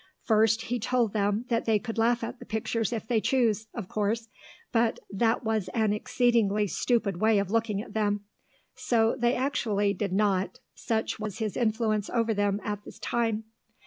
First he told them that they could laugh at the pictures if they choose, of course, but that was an exceedingly stupid way of looking at them; so they actually did not, such was his influence over them at this time.